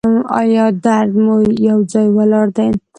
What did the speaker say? ایا درد مو یو ځای ولاړ دی؟